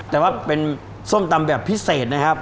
แต่ว่าเป็นส้มตำแบบพิเศษนะครับ